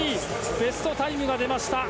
ベストタイムが出ました。